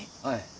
はい。